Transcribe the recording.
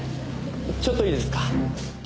ちょっといいですか？